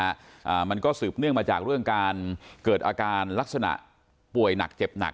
อ่ามันก็สืบเนื่องมาจากเรื่องการเกิดอาการลักษณะป่วยหนักเจ็บหนัก